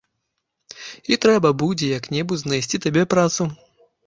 І трэба будзе як-небудзь знайсці табе працу.